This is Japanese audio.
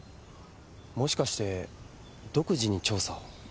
もしかして独自に調査を？